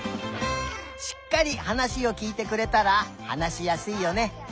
しっかりはなしをきいてくれたらはなしやすいよね。